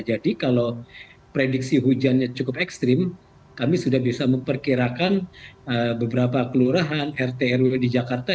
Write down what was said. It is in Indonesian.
kalau prediksi hujannya cukup ekstrim kami sudah bisa memperkirakan beberapa kelurahan rt rw di jakarta